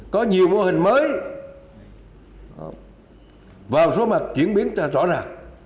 có nhiều mô hình mới vào số mặt chuyển biến rõ ràng